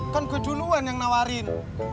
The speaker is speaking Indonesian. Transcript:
kan gua duluan yang nawarin